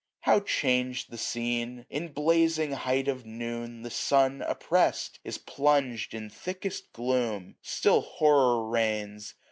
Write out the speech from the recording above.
How chang'd the scene ! In blazing height of noon. The sun, oppressed, is plung'd in thickest gloom. 785 Still Horror reigns